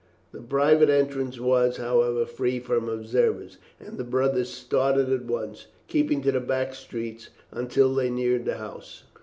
The private entrance was, however, free from observers, and the brothers started at once, keeping to the back streets until they neared the house.